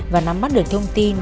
và nắm mắt được thông tin